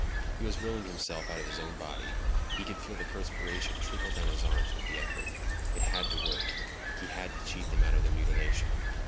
He was willing himself out of his own body. He could feel the perspiration trickle down his arms with the effort. It had to work. He had to cheat them out of their mutilation.